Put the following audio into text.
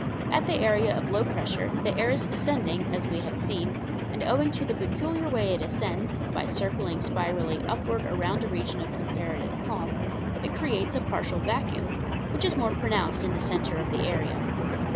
At the area of low pressure the air is ascending, as we have seen, and, owing to the peculiar way it ascends by circling spirally upward around a region of comparative calm it creates a partial vacuum, which is more pronounced in the center of the area.